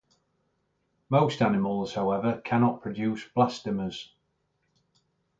Most animals, however, cannot produce blastemas.